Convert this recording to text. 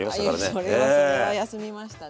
あいやそれはそれは休みましたね。